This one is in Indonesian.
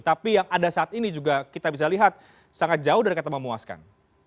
tapi yang ada saat ini juga kita bisa lihat sangat jauh dari kata memuaskan